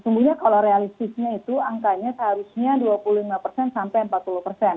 sebenarnya kalau realistisnya itu angkanya seharusnya dua puluh lima persen sampai empat puluh persen